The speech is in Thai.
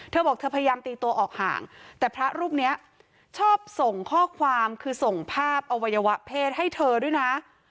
เธอบอกเธอพยายามตีตัวออกห่างแต่พระรูปนี้ชอบส่งข้อความคือส่งภาพอวัยวะเพศให้เธอด้วยนะ